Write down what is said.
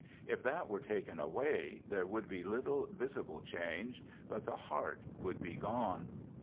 If that were taken away, there would be little visible change, but the heart would be gone.